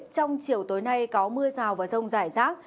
trong chiều tối nay có mưa rào và rông rải rác